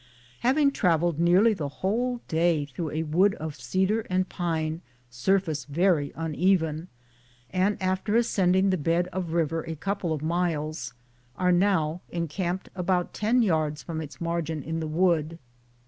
Have traveled nearly the whole day through a wood of cedar and pine, surface very uneven, and after ascending the bed of river a couple of miles are now encamped about ten yards from its margin in the wood.